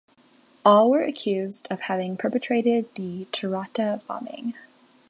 All were accused of having perpetrated the Tarata bombing.